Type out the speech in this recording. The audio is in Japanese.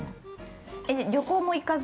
旅行も行かず？